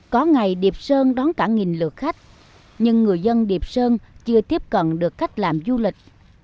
có ngày điệp sơn đón cả nghìn lượt khách nhưng người dân điệp sơn chưa tiếp cận được cách làm du lịch